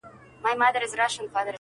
په مشوکه کي مي زېری د اجل دئ-